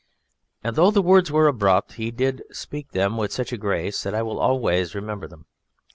And though the words were abrupt, he did speak them with such a grace that I will always remember them!